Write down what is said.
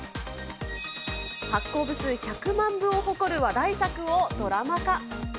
発行部数１００万部を誇る話題作をドラマ化。